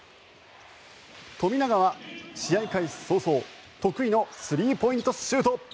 富永は試合開始早々得意のスリーポイントシュート！